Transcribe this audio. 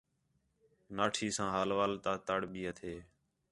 ناٹھی ساں حال وال تا تڑ بھی ہتھیں